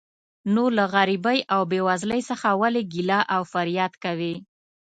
نو له غریبۍ او بې وزلۍ څخه ولې ګیله او فریاد کوې.